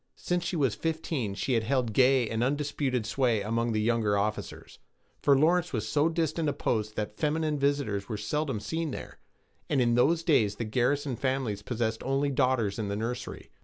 Since she was fifteen she had held gay and undisputed sway among the younger officers; for Lawrence was so distant a post that feminine visitors were seldom seen there, and in those days the garrison families possessed only daughters in the nursery.